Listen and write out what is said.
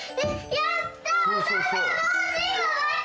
やった！